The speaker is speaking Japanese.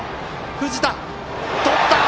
藤田、とった！